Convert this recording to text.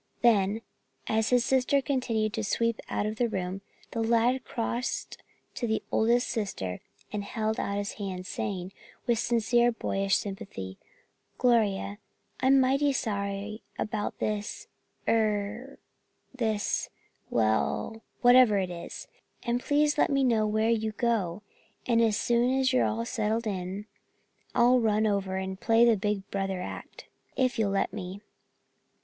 Then as his sister continued to sweep out of the room, the lad crossed to the oldest sister and held out his hand, saying, with sincere boyish sympathy, "Gloria, I'm mighty sorry about this er this well, whatever it is, and please let me know where you go, and as soon as you're settled I'll run over and play the big brother act, if you'll let me."